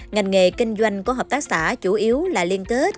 ngành nghề kinh doanh của hợp tác xã chủ yếu là liên kết